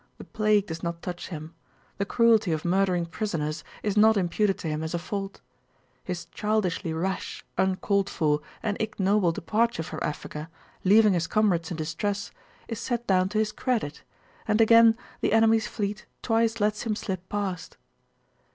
The plague does not touch him. The cruelty of murdering prisoners is not imputed to him as a fault. His childishly rash, uncalled for, and ignoble departure from Africa, leaving his comrades in distress, is set down to his credit, and again the enemy's fleet twice lets him slip past.